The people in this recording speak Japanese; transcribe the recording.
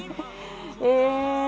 え。